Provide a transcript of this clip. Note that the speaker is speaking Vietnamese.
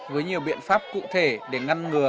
với nhiều biện pháp cụ thể để ngăn ngừa